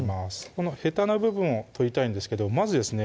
このヘタの部分を取りたいんですけどまずですね